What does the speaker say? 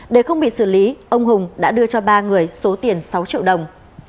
để không bị xử lý ông hùng đã đưa cho ba người số tiền sáu triệu đồng